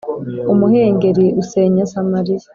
Umuhengeri usenya Samariya